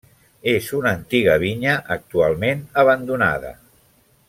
És una antiga vinya, actualment abandonada.